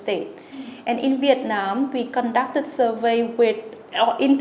trên một mươi cơ hội truyền thông asean